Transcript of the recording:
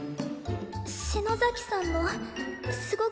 篠崎さんのすごく硬い。